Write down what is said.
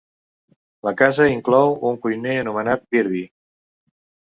La casa inclou un cuiner anomenat Birdie.